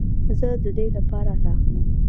زه د دې لپاره راغلم.